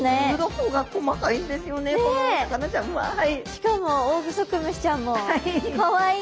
しかもオオグソクムシちゃんもかわいい。